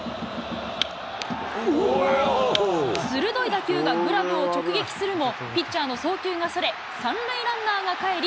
鋭い打球がグラブを直撃するも、ピッチャーの送球がそれ、３塁ランナーがかえり